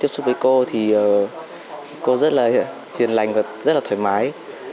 tiếp xúc với cô thì cô rất là hiền lành và rất là thoải mái